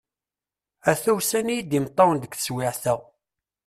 Ata usan-iyi-d imeṭṭawen deg teswiεt-a.